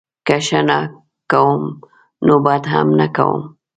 که ښه نه کوم نوبدهم نه کوم